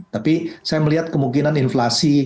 tapi saya melihat kemungkinan inflasi